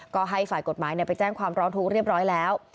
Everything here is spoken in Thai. ก็ให้ฝ่ายกฎหมายไปแจ้งความร้องทุกข์เรียบร้อยแล้ว